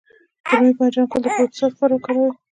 د رومي بانجان ګل د پروستات لپاره وکاروئ